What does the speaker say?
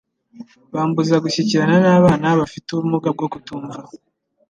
bambuza gushyikirana n'abana bafite ubumuga bwo kutumva.